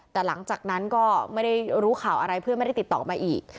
แต่หลังจากนั้นก็ไม่ได้รู้ข่าวอะไรเพื่อนไม่ได้ติดต่อมาอีก